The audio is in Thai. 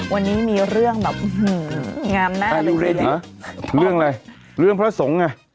วันนี้มีเรื่องแบบงามน่าหรืออะไรเรื่องอะไรเรื่องพระสงฆ์ไง